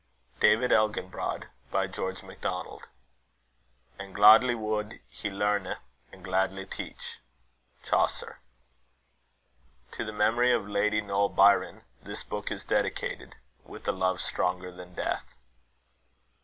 DAVID ELGINBROD. by GEORGE MACDONALD, LL.D. And gladly wolde he lerne and gladly teche. CHAUCER. TO THE MEMORY OF LADY NOEL BYRON, THIS BOOK IS DEDICATED, WITH A LOVE STRONGER THAN DEATH.